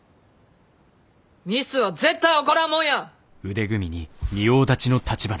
ミスは絶対起こらんもんや！